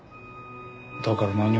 だから何も。